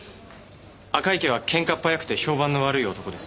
赤池は喧嘩っ早くて評判の悪い男です。